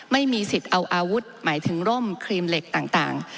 ไม่มีสิทธิ์เอาอาวุธหมายถึงร่มครีมเหล็กต่าง